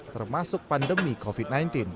termasuk pandemi covid sembilan belas